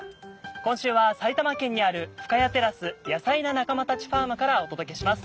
今週は埼玉県にある深谷テラスヤサイな仲間たちファームからお届けします